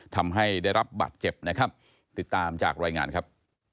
ทำให้ได้รับบาดเจ็บนะครับติดตามจากรายงานครับ